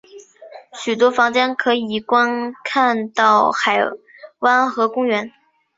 许多房间可以观看到海湾和公园。